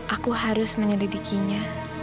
aku harus menyelidikinya